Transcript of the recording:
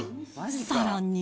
さらに